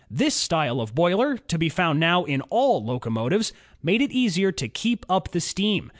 This style of boiler, to be found now in all locomotives, made it easier to keep up the steam.